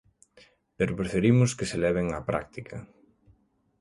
Pero preferimos que se leven á práctica.